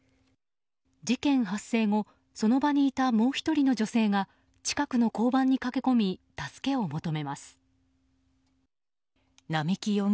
事件発生後、その場にいたもう１人の女性が近くの交番に駆け込み助けを求めます。